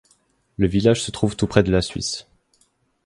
Le village se trouve tout près de la Suisse.